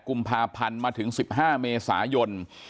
กุมภาพันธ์มาถึง๑๕เมษายน